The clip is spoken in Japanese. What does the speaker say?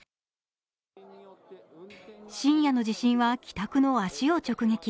深夜の地震は帰宅の足を直撃。